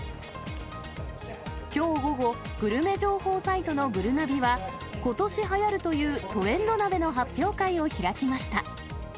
きょう午後、グルメ情報サイトのぐるなびは、ことしはやるというトレンド鍋の発表会を開きました。